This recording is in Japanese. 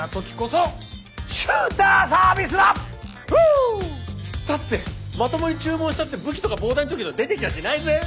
っつったってまともに注文したって武器とか防弾チョッキとか出てきやしないぜ！？